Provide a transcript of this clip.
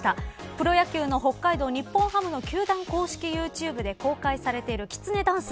プロ野球の北海道日本ハムの球団公式ユーチューブで公開されているきつねダンス。